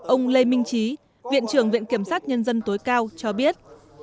ông lê minh trí viện trưởng viện kiểm sát nhân dân tối cao cho biết